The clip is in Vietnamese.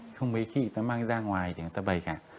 không mấy kị người ta mang ra ngoài thì người ta bày cả